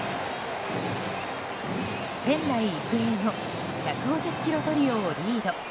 仙台育英も１５０キロトリオをリード。